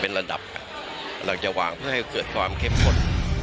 เป็นระดับเราจะวางเพื่อให้เกิดความเข้มข้น